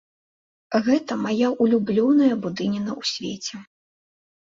Гэта мая ўлюблёная будыніна ў свеце.